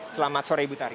selamat sore ibu tari